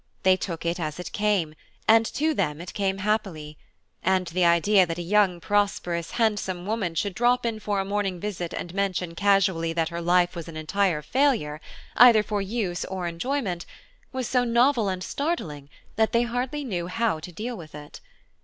They took it as it came, and to them it came happily; and the idea that a young prosperous handsome woman should drop in for a morning visit and mention casually that her life was an entire failure, either for use or enjoyment, was so novel and startling that they hardly knew how to deal with it.